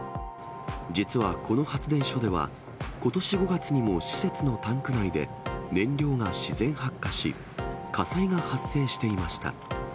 実はこの発電所では、ことし５月にも施設のタンク内で、燃料が自然発火し、火災が発生していました。